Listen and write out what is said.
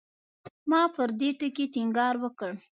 ما پر دې ټکي ټینګار وکړ.